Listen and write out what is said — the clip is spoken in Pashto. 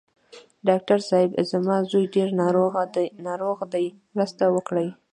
ډاکټر صېب! زما زوی ډېر ناروغ دی، مرسته وکړئ.